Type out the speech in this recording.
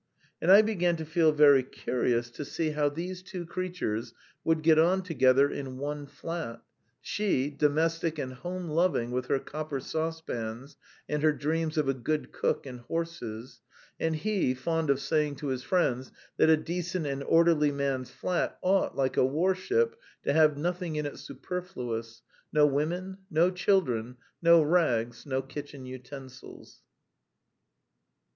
And I began to feel very curious to see how these two creatures would get on together in one flat she, domestic and home loving with her copper saucepans and her dreams of a good cook and horses; and he, fond of saying to his friends that a decent and orderly man's flat ought, like a warship, to have nothing in it superfluous no women, no children, no rags, no kitchen utensils.